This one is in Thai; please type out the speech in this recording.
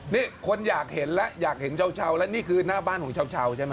นี่คนอยากเห็นแล้วอยากเห็นเชาแล้วนี่คือหน้าบ้านของชาวใช่ไหม